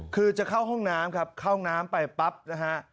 คือจะเข้าห้องน้ำครับเข้าน้ำไปปั๊บนะฮะ